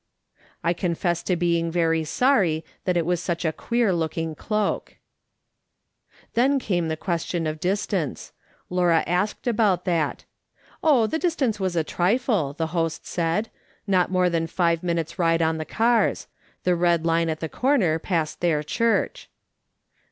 I confess to being very sorry that it was such a queer looking cloak. Then came the question of distance. Laura asked about that. Oh, the distance was a trifle, the host "POOR LIDA AND THE REST." 109 said ; not more than five minutes' ride on the cars ; the red line at the corner passed their church.